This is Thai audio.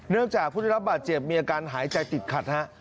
จากผู้ได้รับบาดเจ็บมีอาการหายใจติดขัดฮะ